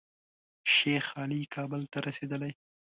شیخ علي کابل ته رسېدلی.